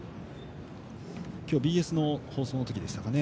今日ＢＳの放送のときでしたかね。